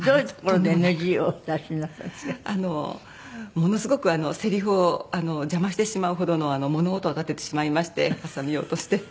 ものすごくせりふを邪魔してしまうほどの物音を立ててしまいましてはさみを落として。